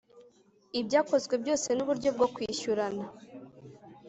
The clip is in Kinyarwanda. ibyakozwe byose n uburyo bwo kwishyurana